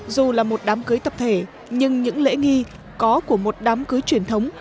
dù là một đám cưới tập thể nhưng những lễ nghi có của một đám cưới truyền thống